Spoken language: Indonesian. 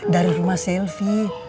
dari rumah sylvie